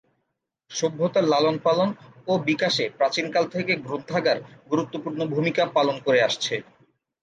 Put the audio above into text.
সভ্যতার লালন-পালন ও বিকাশে প্রাচীনকাল থেকে গ্রন্থাগার গুরুত্বপূর্ণ ভূমিকা পালন করে আসছে।